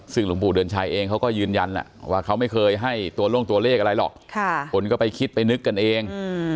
ซึ่งหลวงปู่เดือนชัยเองเขาก็ยืนยันว่าเขาไม่เคยให้ตัวลงตัวเลขอะไรหรอกคนก็ไปคิดไปนึกกันเอง